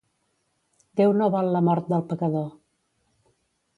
Déu no vol la mort del pecador.